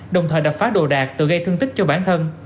đồng thời đập phá đồ đạc tự gây thương tích cho bản thân